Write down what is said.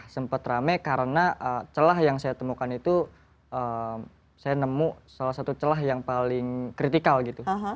sempat rame karena celah yang saya temukan itu saya nemu salah satu celah yang paling kritikal gitu